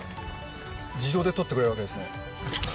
自動で撮ってくれるわけです